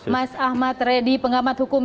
mas ahmad reddy pengamat hukum